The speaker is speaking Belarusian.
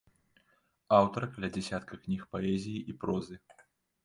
Аўтар каля дзясятка кніг паэзіі і прозы.